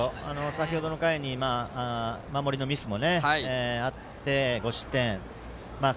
先程の回に守りのミスもあって５失点。